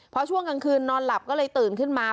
พอช่วงกลางคืนนอนหลับก็เลยตื่นขึ้นมา